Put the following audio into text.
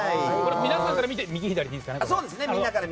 皆さんから見て右左でいいですね。